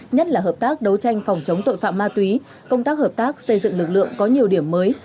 nhất là hợp tác đấu tranh phòng chống tội phạm ma túy công tác hợp tác xây dựng lực lượng có nhiều điểm mới